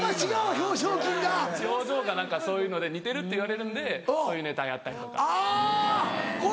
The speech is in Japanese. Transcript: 表情が何かそういうので似てるって言われるんでそういうネタやったりとかはい。